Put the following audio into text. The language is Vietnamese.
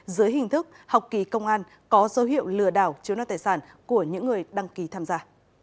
dưới hình thức học kỳ công an có dấu hiệu lừa đảo chiếu năng tài sản của những người đăng ký tham gia